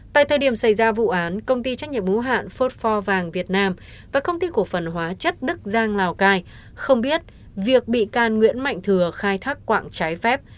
tại thời điểm xảy ra vụ án công ty trách nhiệm bố hạn fotfor việt nam và công ty cổ phần hóa chất đức giang lào cai không biết việc bị can nguyễn mạnh thừa khai thác quạng trái phép